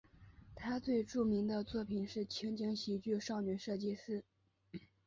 他最著名的作品是情景喜剧少女设计师。